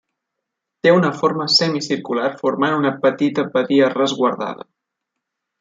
Té una forma semicircular formant una petita badia resguardada.